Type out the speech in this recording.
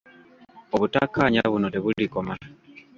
Obutakkaanya buno tebulikoma.